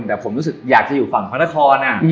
แต่ผมรู้สึกอยากจะอยู่ฝั่งพระนคร